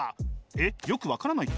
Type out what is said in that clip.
えっよく分からないって？